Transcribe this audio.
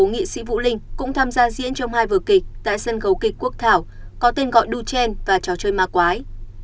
cô nghệ sĩ vũ linh cũng tham gia diễn trong hai vừa kịch tại sân khấu kịch quốc thảo có tên gọi du chen và trò chơi ma quái